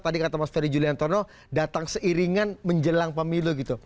tadi kata mas ferry juliantono datang seiringan menjelang pemilu gitu